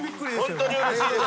ホントにうれしいです。